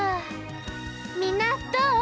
みんなどう？